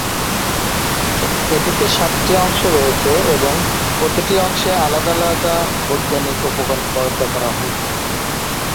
এটিতে সাতটি অংশ রয়েছে এবং প্রতিটি অংশে আলাদা আলাদা বৈজ্ঞানিক উপকরণ বরাদ্দ করা হয়েছে।